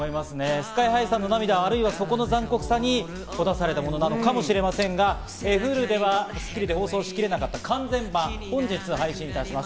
ＳＫＹ−ＨＩさんの涙、そこの残酷さにほだされたものかもしれませんが、Ｈｕｌｕでは『スッキリ』で放送しきれなかった完全版、本日配信します。